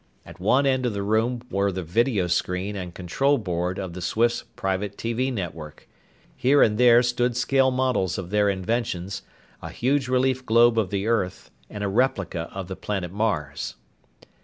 At one end of the room were the video screen and control board of the Swifts' private TV network. Here and there stood scale models of their inventions, a huge relief globe of the earth, and a replica of the planet Mars.